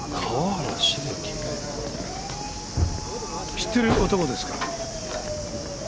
知ってる男ですか？